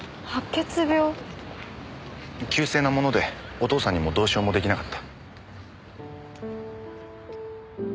急性なものでお父さんにもどうしようも出来なかった。